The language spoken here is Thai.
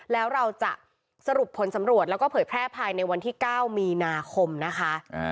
แล้วเราจะสรุปผลสำรวจแล้วก็เผยแพร่ภายในวันที่๙มีนาคมนะคะ